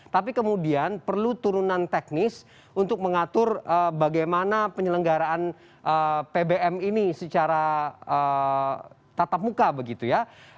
tapi kemudian perlu turunan teknis untuk mengatur bagaimana penyelenggaraan pbm ini secara tatap muka begitu ya